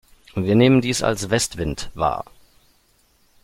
Wir nehmen dies als Westwind wahr.